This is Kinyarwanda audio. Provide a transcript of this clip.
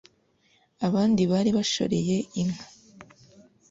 abandi bari bashoreye inka